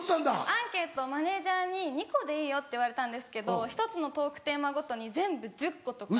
アンケートをマネジャーに２個でいいよって言われたんですけど１つのトークテーマごとに全部１０個とか。